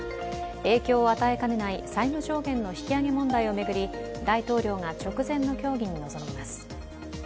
影響を与えかねない債務上限の引き上げ問題を巡り、大統領が直前の協議に臨みます。